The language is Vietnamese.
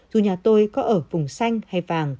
dù nhà tôi có ở vùng xanh hay vàng